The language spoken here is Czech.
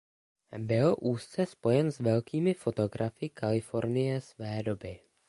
Byl úzce spojen s velkými fotografy Kalifornie své doby.